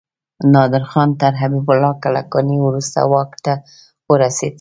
نادر خان تر حبيب الله کلکاني وروسته واک ته ورسيد.